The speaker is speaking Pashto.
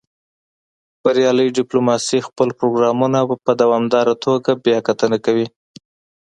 بریالۍ ډیپلوماسي خپل پروګرامونه په دوامداره توګه بیاکتنه کوي